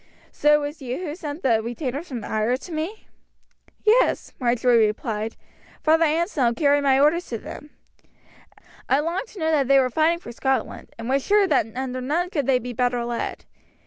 So it was you sent the retainers from Ayr to me?" "Yes," Marjory replied. "Father Anselm carried my orders to them. I longed to know that they were fighting for Scotland, and was sure that under none could they be better led."